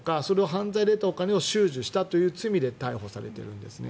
犯罪で得たお金を収受したという罪で逮捕されたんですね。